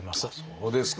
そうですか。